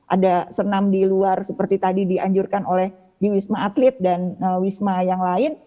ada senam di luar seperti tadi dianjurkan oleh di wisma atlet dan wisma yang lain